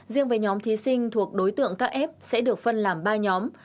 riêng với nhóm thí sinh thuộc đối tượng các f sẽ được phân làm ba nhóm